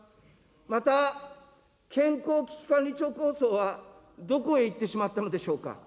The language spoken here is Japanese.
また、健康危機管理庁構想は、どこへ行ってしまったのでしょうか。